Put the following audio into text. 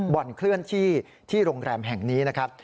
เคลื่อนที่ที่โรงแรมแห่งนี้นะครับ